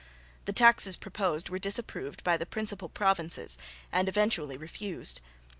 The taxes proposed were disapproved by the principal provinces and eventually refused.